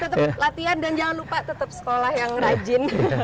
tetap latihan dan jangan lupa tetap sekolah yang rajin